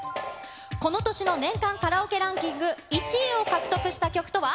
この年の年間カラオケランキング１位を獲得した曲とは？